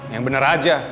yang bener aja